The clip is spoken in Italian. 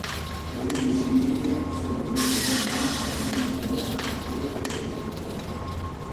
Le undici linee sono divise a metà da una linea retta a loro perpendicolare.